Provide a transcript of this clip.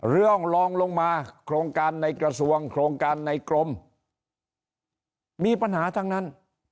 ลองลงมาโครงการในกระทรวงโครงการในกรมมีปัญหาทั้งนั้น